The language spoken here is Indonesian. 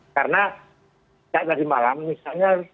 karena saat tadi malam misalnya